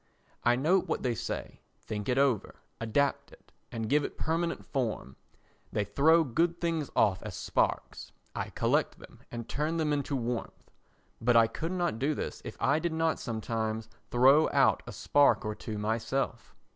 I note what they say, think it over, adapt it and give it permanent form. They throw good things off as sparks; I collect them and turn them into warmth. But I could not do this if I did not sometimes throw out a spark or two myself.